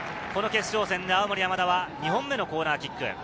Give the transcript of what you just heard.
この決勝戦で青森山田は２本目のコーナーキック。